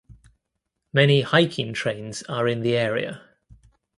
Many hiking trains are in the area.